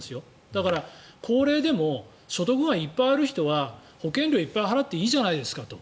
だから、高齢でも所得がいっぱいある人は保険料をいっぱい払っていいじゃないですかと。